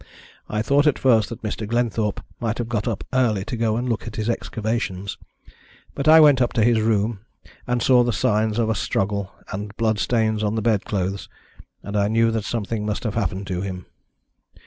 I thought at first that Mr. Glenthorpe might have got up early to go and look at his excavations, but I went up to his room and saw the signs of a struggle and blood stains on the bed clothes, and I knew that something must have happened to him.